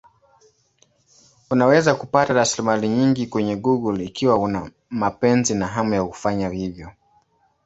Unaweza kupata rasilimali nyingi kwenye Google ikiwa una mapenzi na hamu ya kufanya hivyo.